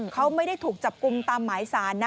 เขาไม่ได้ถูกจับกลุ่มตามหมายสารนะ